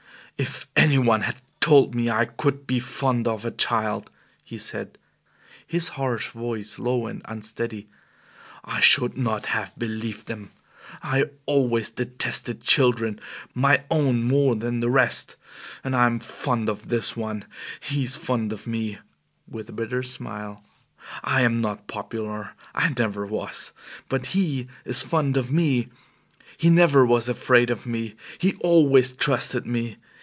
"If any one had told me I could be fond of a child," he said, his harsh voice low and unsteady, "I should not have believed them. I always detested children my own more than the rest. I am fond of this one; he is fond of me" (with a bitter smile). "I am not popular; I never was. But he is fond of me. He never was afraid of me he always trusted me.